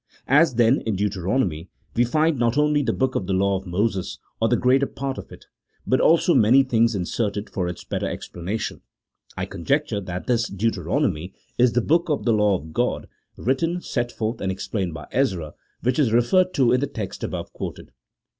As, then, in Deuteronomy, we find not only the book of the law of Moses, or the greater part of it, but also many things inserted for its better explanation, I conjecture that this Deuteronomy is the book of the law of God, written, set forth, and explained by Ezra, which is referred to in the text above quoted.